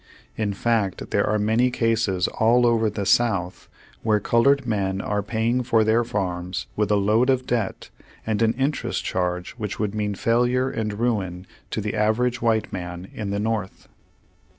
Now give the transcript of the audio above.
In fact, there are many cases all over the South wliere colored men are paying for their farms with a load of debt and an interest charge which would m.ean failure and ruin to the average white man in the North.